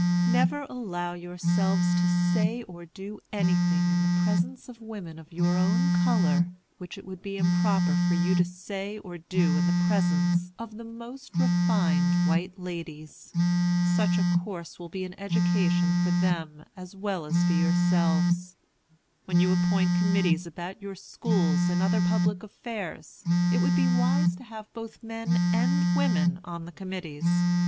Never allow yourselves to say or do anything in the presence of women of your own color which it would be improper for you to say or do in the presence of the most refined white ladies. Such a course will be an education for them as well as for yourselves. When you appoint committees about your schools and other public affairs, it would be wise to have both men and women on the committees.